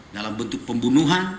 dalam bentuk pembunuhan